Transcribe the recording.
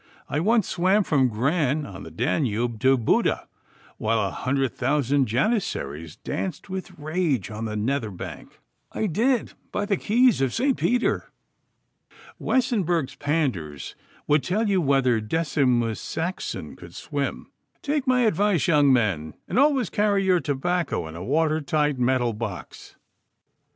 I once swam from Gran on the Danube to Buda, while a hundred thousand Janissaries danced with rage on the nether bank. I did, by the keys of St. Peter! Wessenburg's Pandours would tell you whether Decimus Saxon could swim. Take my advice, young men, and always carry your tobacco in a water tight metal box.